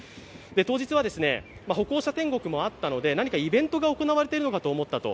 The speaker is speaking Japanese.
当日は歩行者天国があったので何かイベントが行われているのかと思ったと。